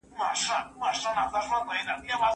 تر هغه وخته به جوړه زموږ دمه سي